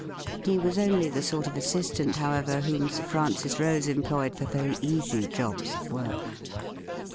He was only the sort of assistant, however, whom Sir Francis Rose employed for very easy jobs of work.